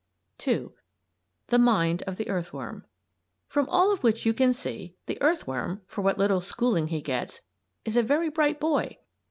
II. THE MIND OF THE EARTHWORM From all of which you can see the earthworm, for what small schooling he gets, is a very bright boy!